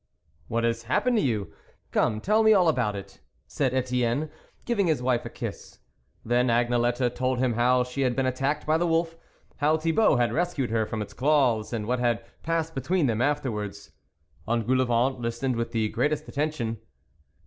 " What has happened to you ? Come, tell me all about it," said Etienne, giving his wife a kiss. Then Agnelette told him how she had been attacked by the wolf, how Thibault had rescued her from its claws, and what had passed between them afterwards. Engoulevent listened with the greatest attention.